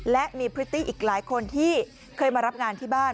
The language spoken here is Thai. และมีพริตตี้อีกหลายคนที่เคยมารับงานที่บ้าน